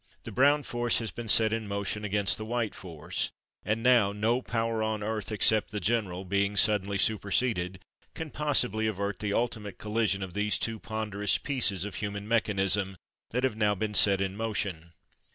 The Brown force has been set in motion against the White force and now no power on earth, except the general being sud denly super seded, can possibly avert the ultimate colli sion of these two ponderous pieces of human mechanism that have now been set in motion.